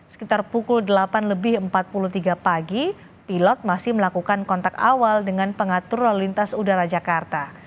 sekitar pukul delapan lebih empat puluh tiga pagi pilot masih melakukan kontak awal dengan pengatur lalu lintas udara jakarta